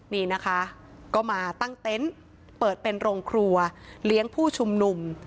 นี่นะคะก็มาตั้งเต็นต์เปิดเป็นโรงครัวเลี้ยงผู้ชุมนุม